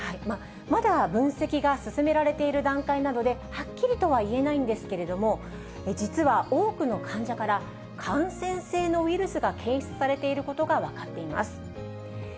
まだ分析が進められている段階なので、はっきりとは言えないんですけれども、実は多くの患者から、感染性のウイルスが検出されていることが分かっています。